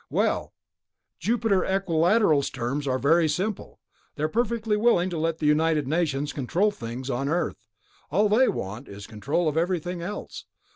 Well, Jupiter Equilateral's terms are very simple. They're perfectly willing to let the United Nations control things on Earth. All they want is control of everything else.